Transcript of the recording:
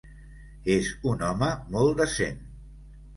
És un home molt decent.